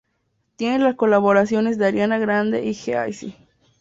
Tiene las colaboraciones de Ariana Grande y G-Eazy.